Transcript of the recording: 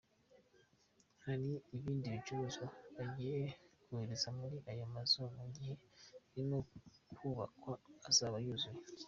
Hari ibindi bicuruzwa bagiye kohereza muri ayo mazu mu gihe arimo kubakwa azaba yuzuye.